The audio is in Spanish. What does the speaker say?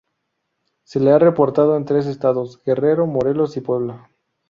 Se le ha reportado en tres estados, Guerrero, Morelos y Puebla.